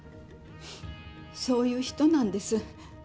そういう人なんです。